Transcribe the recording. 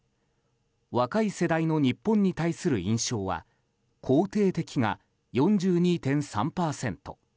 若い世代の日本に対する印象は肯定的が４２．３％。